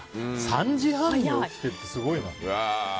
３時半に起きてってすごいな。